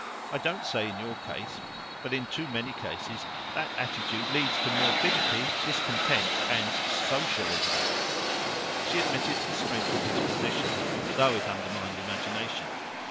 I don't say in your case, but in too many cases that attitude leads to morbidity, discontent, and Socialism." She admitted the strength of his position, though it undermined imagination.